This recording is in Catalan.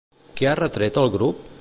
Què ha retret al grup?